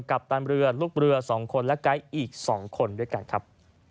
กัปตันเรือลูกเรือสองคนและกายอีกสองคนด้วยกันครับ